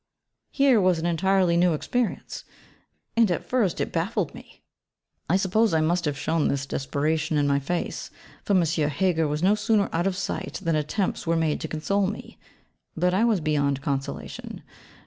Here was an entirely new experience. And at first it baffled me. I suppose I must have shown this desperation in my face: for M. Heger was no sooner out of sight than attempts were made to console me: but I was beyond consolation.